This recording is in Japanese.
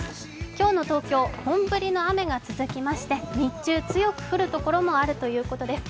今日の東京、本降りの雨が続きまして日中、強く降るところもあるということです。